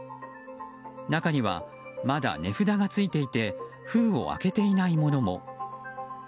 中にはまだ値札がついていて封を開けていないものも。